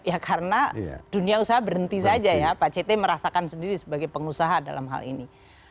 ya karena dunia usaha berhenti saja ya pak ct merasakan sendiri sebagai pengusaha dalam hal ini